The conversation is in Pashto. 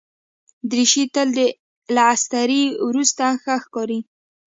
دریشي تل له استري وروسته ښه ښکاري.